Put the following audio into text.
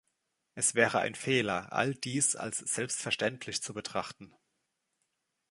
Es wäre ein Fehler, all dies als selbstverständlich zu betrachten.